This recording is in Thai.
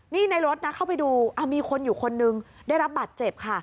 นี่ในรถนะเข้าไปดูมีคนอยู่คนนึงได้รับบาดเจ็บค่ะ